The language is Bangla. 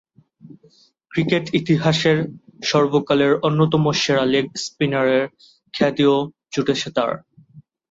ক্রিকেট ইতিহাসের সর্বকালের অন্যতম সেরা লেগ স্পিনারের খ্যাতিও জুটেছে তাঁর।